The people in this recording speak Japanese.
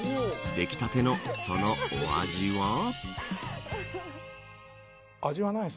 でき立てのそのお味は。